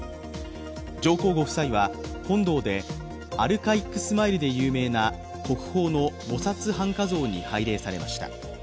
上皇ご夫妻は本堂で、アルカイックスマイルで有名な国宝の菩薩半跏像に拝礼されました。